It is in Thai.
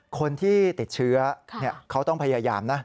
คนที่ติดเชื้อเขาต้องพยายามนะ